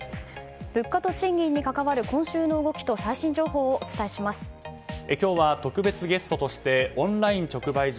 物価と賃金に関わる今週の動きと今日は特別ゲストとしてオンライン直売所